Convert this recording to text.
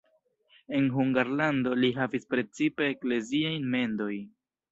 En Hungarlando li havis precipe ekleziajn mendojn.